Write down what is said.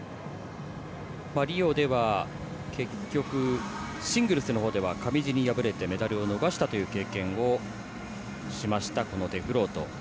リオでは、結局シングルスのほうでは上地に敗れてメダルを逃したという経験をしました、デフロート。